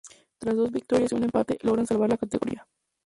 Tras dos victorias y un empate logran salvar la categoría.